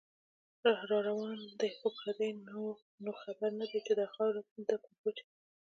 راروان دی خو پردې نو خبر نه دی، چې دا خاوره ده پر وچه